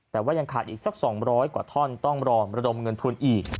แต่ว่ายังขาดอีกสัก๒๐๐กว่าท่อนต้องรอระดมเงินทุนอีก